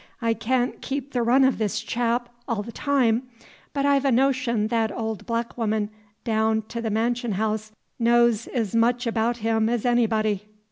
I caan't keep the run o' this chap all the time; but I've a notion that old black woman daown 't the mansion haouse knows 'z much abaout him 'z anybody."